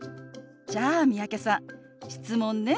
じゃあ三宅さん質問ね。